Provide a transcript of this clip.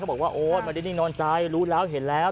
เขาบอกว่าโอ๊ยมานี่นี่นอนใจรู้แล้วเห็นแล้ว